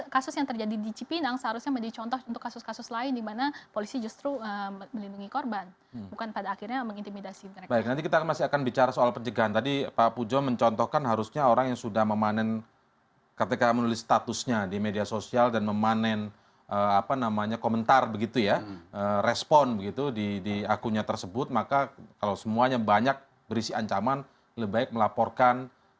kasus yang terjadi di cipinang seharusnya menjadi contoh untuk kasus kasus lain di mana polisi justru melindungi korban